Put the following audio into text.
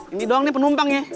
ini doang nih penumpang ya